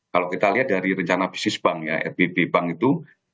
kalau kita lihat dari rencana bisnis bank ya rb bank itu